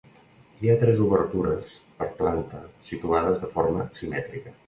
Hi ha tres obertures per planta situades de forma simètrica.